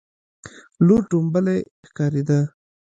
لور ټومبلی ښکارېده.